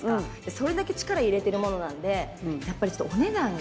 それだけ力入れてるものなんでやっぱりお値段が。